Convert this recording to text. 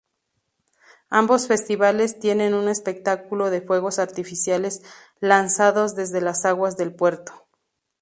Ambos festivales tienen un espectáculo de fuegos artificiales lanzados desde las aguas del puerto.